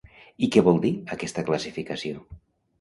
I què vol dir aquesta classificació?